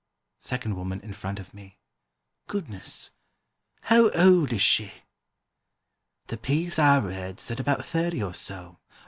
Second Woman in Front of Me: "Goodness! How old is she?" "The piece I read said about thirty or so...."